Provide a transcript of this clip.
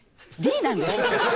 「Ｄ」なんです。